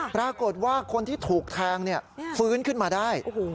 ปรากฏว่าคนที่ถูกแทงฟื้นขึ้นมาได้